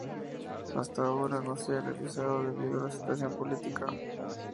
Hasta ahora, no se ha realizado debido a la situación política.